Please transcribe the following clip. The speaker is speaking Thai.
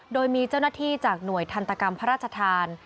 โดยมีเจ้าหน้าที่จากหน่วยทันตกรรมพระราชทาน